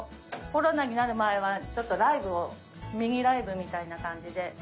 コロナになる前はちょっとライブをミニライブみたいな感じで。